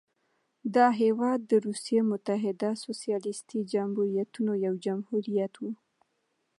دا هېواد د روسیې متحده سوسیالیستي جمهوریتونو یو جمهوریت و.